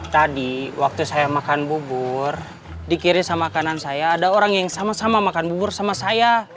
tadi waktu saya makan bubur dikirim sama kanan saya ada orang yang sama sama makan bubur sama saya